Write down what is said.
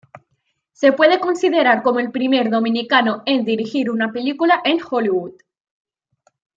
Se puede considerar como el Primer Dominicano en dirigir una película en Hollywood.